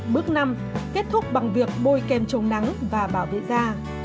bước năm kết thúc bằng việc bôi kem chống nắng và bảo vệ da